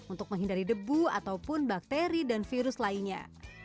untuk menghindari debu ataupun bakteri dan virus lainnya